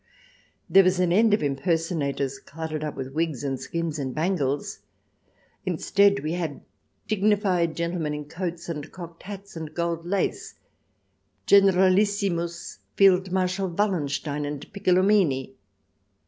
There was an end of impersonators cluttered up with wigs and skins and bangles ; instead, we had dignified gentle men in coats and cocked hats and gold lace, Generalissimus Field Marshal Wallenstein and Piccolomini.